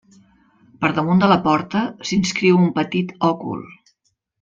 Per damunt de la porta s'inscriu un petit òcul.